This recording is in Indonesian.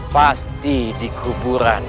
pasti di kuburan